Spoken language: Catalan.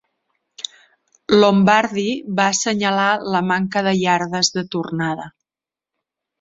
Lombardi va assenyalar la manca de iardes de tornada.